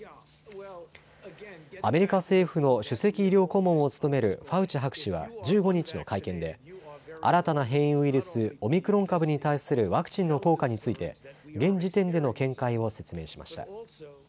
アメリカ政府の首席医療顧問を務めるファウチ博士は１５日の会見で新たな変異ウイルス、オミクロン株に対するワクチンの効果について現時点での見解を説明しました。